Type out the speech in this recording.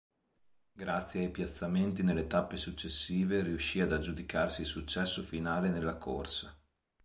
Grazie ai piazzamenti nelle tappe successive, riuscì ad aggiudicarsi il successo finale nella corsa.